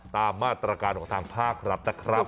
ตามมาตรการทางภาครับ